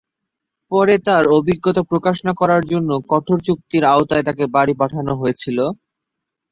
পরে তার অভিজ্ঞতা প্রকাশ না করার জন্য কঠোর চুক্তির আওতায় তাকে বাড়ি পাঠানো হয়েছিল।